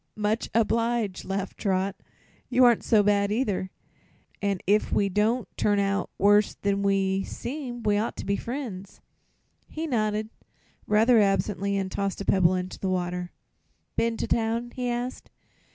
"Much obliged," laughed Trot. "You aren't so bad, either, an' if we don't both turn out worse than we seem we ought to be friends." He nodded, rather absently, and tossed a pebble into the water. "Been to town?" he asked.